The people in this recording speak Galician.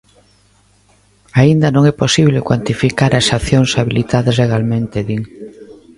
Aínda non é posible "cuantificar" as "accións habilitadas legalmente", din.